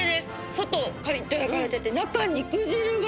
外はカリッと焼かれてて中は肉汁が！